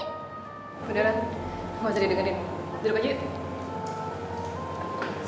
mudah mudahan lo gak usah didengernin